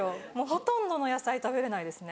ほとんどの野菜食べれないですね。